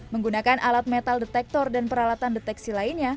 menggunakan alat metal detektor dan peralatan deteksi lainnya